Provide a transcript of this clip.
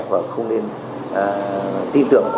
và không nên tin tưởng